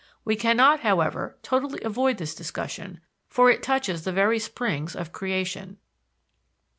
We can not, however, totally avoid this discussion, for it touches the very springs of creation.